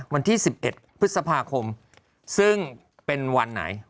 วันที่๑๑พฤษภาคมซึ่งเป็นวันไหน